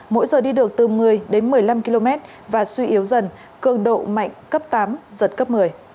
mỗi giờ đi được từ một mươi đến một mươi năm km và suy yếu dần cường độ mạnh cấp tám giật cấp một mươi